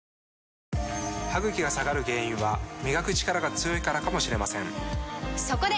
歯ぐきが下がる原因は磨くチカラが強いからかもしれませんそこで！